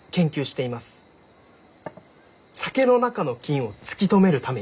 酒の中の菌を突き止めるために。